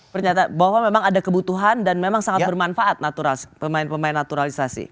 pernyataan bahwa memang ada kebutuhan dan memang sangat bermanfaat pemain pemain naturalisasi